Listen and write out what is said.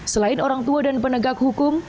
selain orang tua dan penegak hukum